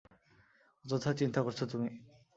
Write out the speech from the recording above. অযথাই চিন্তা করছো তুমি।